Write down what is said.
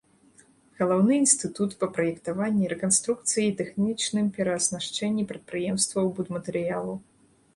Галаўны інстытут па праектаванні, рэканструкцыі і тэхнічным перааснашчэнні прадпрыемстваў будматэрыялаў.